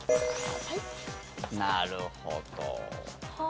なるほど。